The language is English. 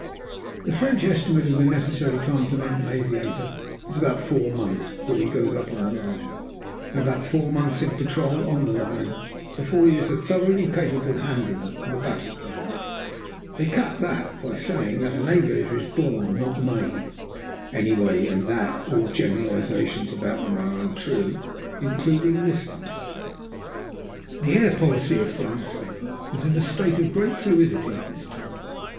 The French estimate of the necessary time to make an aviator is about four months before he goes up on the line, and about four months in patrol, on the line, before he is a thoroughly capable handler of a battle plane. They cap that by saying that an aviator is born, not made, anyway, and that "all generalizations about them are untrue, including this one." The air policy of France, however, was in a state of great fluidity at this time.